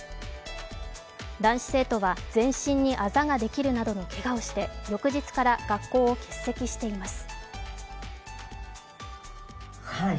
男子生徒は全身にあざができるなどのけがをして翌日から学校を欠席しています。